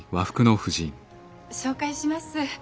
紹介します。